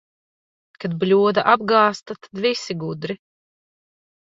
Kad bļoda apgāzta, tad visi gudri.